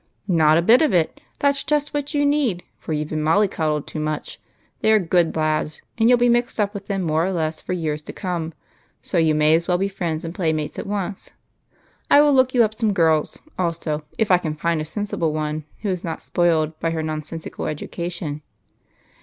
"Not a bit of it: that's just what you need, for you 've been molly coddled too much. They are good lads, and you '11 be mixed up with them more or less for years to come, so you may as well be friends and playmates at once. I will look you u]) some girls also, if I can find a sensible one who is not spoilt by her nonsensical education."